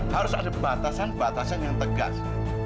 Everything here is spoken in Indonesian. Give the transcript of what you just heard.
harus ada batasan batasan yang tegas